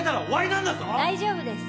大丈夫です。